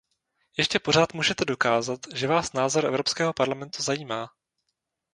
Ještě pořád můžete dokázat, že vás názor Evropského parlamentu zajímá.